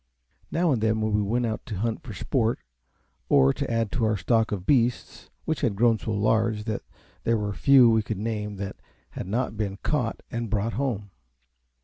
Now and then we went out to hunt for sport or to add to our stock of beasts, which had grown so large that there were few we could name that had not been caught and brought home.